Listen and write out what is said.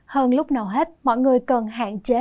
hơn lúc nào hết mọi người cần hạn chế